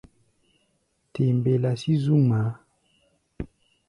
Te mbelá sí zú ŋmaa.